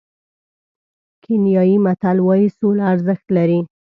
کینیايي متل وایي سوله ارزښت لري.